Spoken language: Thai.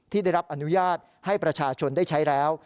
ได้รับอนุญาตให้ประชาชนได้ใช้แล้ว